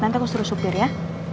nanti aku suruh supir ya